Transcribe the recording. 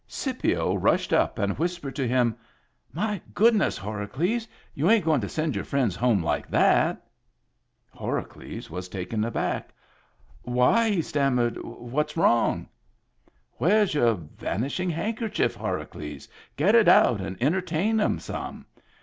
Scipio rushed up and whis pered to him :—" My goodness, Horacles! You ain't going to send your friends home like that ?" Horacles was taken aback. " Why," he stam mered, " what's wrong ?"Where's your vanishing handkerchief, Hora cles? Get it out and entertain 'em some.